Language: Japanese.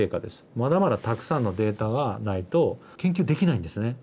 まだまだたくさんのデータがないと、研究できないんですね。